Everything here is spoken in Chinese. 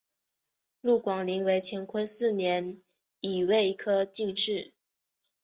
陆广霖为乾隆四年己未科进士。